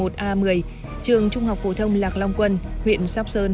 trường trung học phổ thông lạc long quân huyện sóc sơn